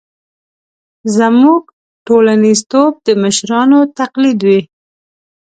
زموږ ټولنیزتوب د مشرانو تقلید وي.